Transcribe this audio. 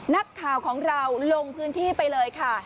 นักข่าวของเราลงพื้นที่ไปเลยค่ะ